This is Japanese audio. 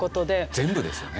全部ですよね。